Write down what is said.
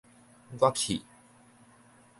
我去